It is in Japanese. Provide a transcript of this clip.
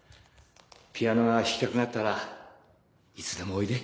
ピアノが弾きたくなったらいつでもおいで。